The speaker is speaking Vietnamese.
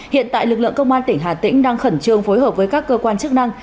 hiện tại lực lượng công an tỉnh hà tĩnh đang khẩn trương phối hợp với các cơ quan chức năng